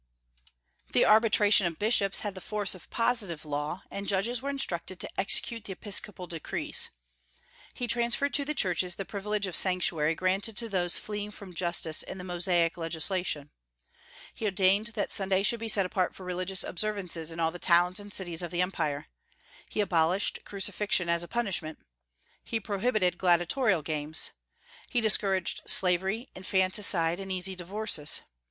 The arbitration of bishops had the force of positive law, and judges were instructed to execute the episcopal decrees. He transferred to the churches the privilege of sanctuary granted to those fleeing from justice in the Mosaic legislation. He ordained that Sunday should be set apart for religious observances in all the towns and cities of the Empire. He abolished crucifixion as a punishment. He prohibited gladiatorial games. He discouraged slavery, infanticide, and easy divorces.